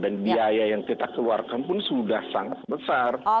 dan biaya yang kita keluarkan pun sudah sangat besar